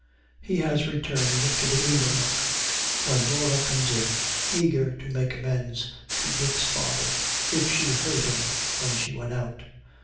He has returned to the ingle nook when Laura comes in, eager to make amends to Dick's father if she hurt him when she went out.